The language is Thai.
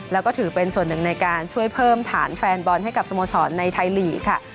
แล้วก็ถือเป็นส่วนหนึ่งในการช่วยเพิ่มฐานแฟนบอลให้กับสโมสรในไทยลีกค่ะ